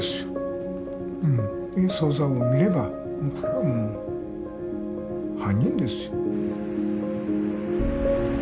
捜査を見ればこれはもう犯人です。